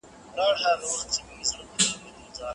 خبریال د خلکو نظرونه په دقت اوري.